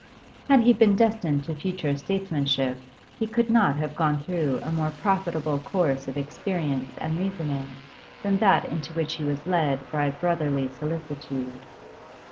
Had he been destined to future statesmanship, he could not have gone through a more profitable course of experience and reasoning than that into which he was led by brotherly solicitude.